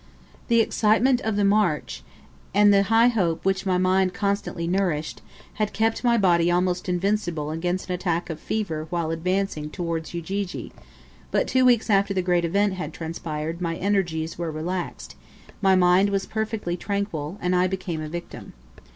The excitement of the march, and the high hope which my mind constantly nourished, had kept my body almost invincible against an attack of fever while advancing towards Ujiji; but two weeks after the great event had transpired my energies were relaxed, my mind was perfectly tranquil, and I became a victim.